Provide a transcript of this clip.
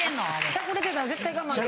しゃくれてたら絶対我慢できる。